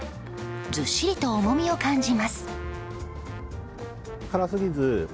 ずっしりと重みを感じます。